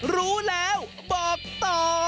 รู้แล้วบอกต่อ